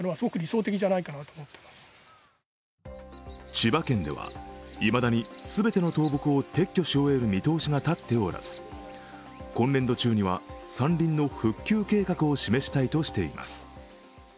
千葉県では、いまだに全ての倒木を撤去し終える見通しが立っておらず今年度中には山林の復旧計画を示したいとしています。